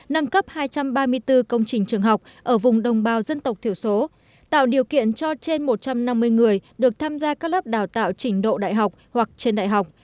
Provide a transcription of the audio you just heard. nâng cấp hai trăm ba mươi bốn công trình trường học ở vùng đồng bào dân tộc thiểu số tạo điều kiện cho trên một trăm năm mươi người được tham gia các lớp đào tạo trình độ đại học hoặc trên đại học